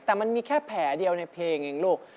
แต่มันมีแค่แผลเดียวในเพลงเองลูก